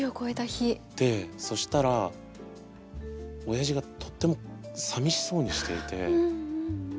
そしたらおやじがとってもさみしそうにしていて。